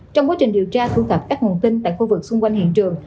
trong quá trình điều tra thu thập các nguồn tin tại khu vực xung quanh hiện trường